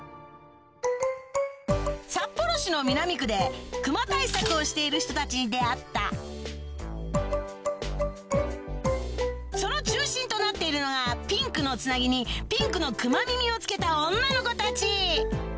札幌市の南区でクマ対策をしている人たちに出会ったその中心となっているのがピンクのつなぎにピンクのクマ耳を着けた女の子たち